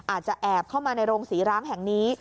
อาจจะแอบเข้ามาในโรงศรีร้างแห่งนี้